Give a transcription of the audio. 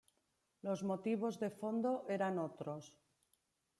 Los motivos de fondo eran otros.